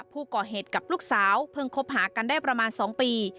ผู้ก่อเหตุกับลูกสาวเพิ่งคบหากันได้ประมาณ๒ปี